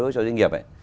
doanh nghiệp ấy